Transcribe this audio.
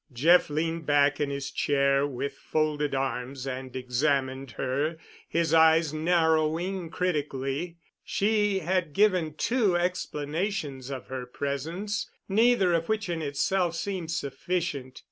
Jeff leaned back in his chair with folded arms and examined her—his eyes narrowing critically. She had given two explanations of her presence, neither of which in itself seemed sufficient.